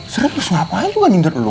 serius ngapain juga nyindir lo